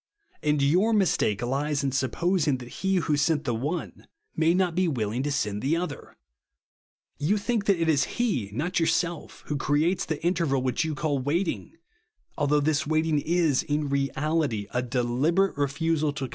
And your mistake lies in sup posing, that He who sent the one may not be v/iiling to send the other. You think that it is He, not yourself, who creates the inter val which you call " waiting ;" althougti this waiting is, in reality, a deliberate refusal to TRUTH OF THE GOSrEL.